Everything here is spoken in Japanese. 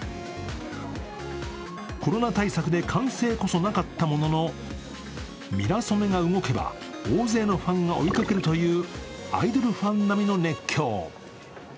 コロナ対策で歓声こそなかったものの、ミラソメが動けば、大勢のファンが追いかけるというアイドルファン並みの熱狂。